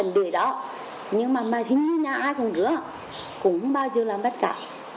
đuổi đó nhưng mà hình như nhà ai cũng rửa cũng không bao giờ làm bất cả